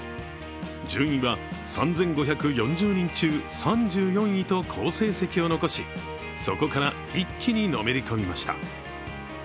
順位は３５４０人中３４位と好成績を残し、そこから一気にのめり込みました。